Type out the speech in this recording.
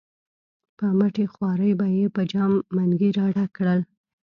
په مټې خوارۍ به یې په جام منګي را ډک کړل.